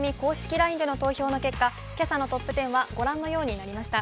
ＬＩＮＥで投票の結果、今朝のトップ１０はご覧のようになりました。